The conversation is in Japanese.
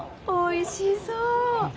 おいしそう。